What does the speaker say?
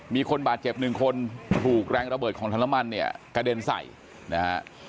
มีคนบาดเจ็บ๑คนถูกแรงระเบิดของถังน้ำมันกระเด็นใส่นะฮะ